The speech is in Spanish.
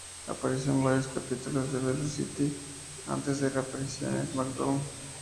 Apareció en varios capítulos de "Velocity" antes de su reaparición en "SmackDown!".